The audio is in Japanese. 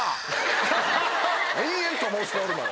「延々」と申しておるのよ。